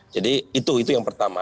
jadi itu yang pertama